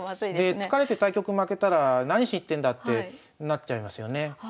疲れて対局負けたら何しに行ってんだってなっちゃいますよね。